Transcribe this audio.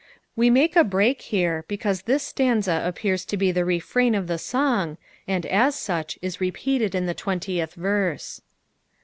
We make a break here, because this stanza appears to bo the refrain of the song, and as such is repeated in the twentieth verse.